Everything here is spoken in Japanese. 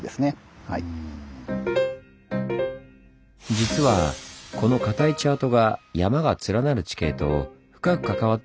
実はこの硬いチャートが山が連なる地形と深く関わっているんです。